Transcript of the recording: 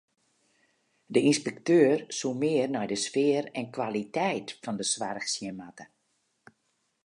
De ynspekteur soe mear nei de sfear en kwaliteit fan de soarch sjen moatte.